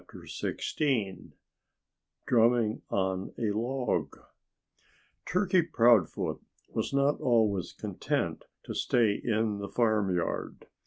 _" XVI DRUMMING ON A LOG Turkey Proudfoot was not always content to stay in the farmyard.